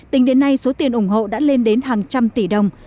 tính đến nay số tiền ủng hộ đã lên đến hàng trăm tỷ đồng